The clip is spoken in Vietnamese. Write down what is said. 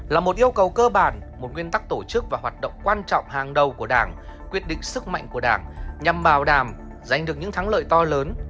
là một yêu cầu cơ bản một nguyên tắc tổ chức và hoạt động quan trọng hàng đầu của đảng quyết định sức mạnh của đảng nhằm bảo đảm giành được những thắng lợi to lớn